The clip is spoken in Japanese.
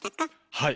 はい。